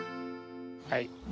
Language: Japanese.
はい。